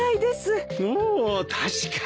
おお確かに。